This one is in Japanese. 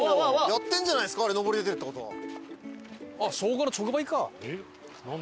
やってるんじゃないですかあれのぼり出てるって事は。